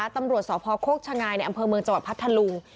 ตำรวจสพโคกชะงายในอำเภอเมืองจังหวัดพัทธลุง